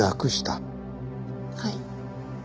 はい。